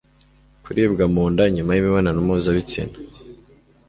Kuribwa mu nda nyuma y'imibonanano mpuzabitsina